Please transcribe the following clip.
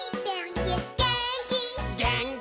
「げーんき」